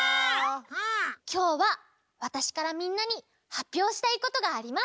きょうはわたしからみんなにはっぴょうしたいことがあります！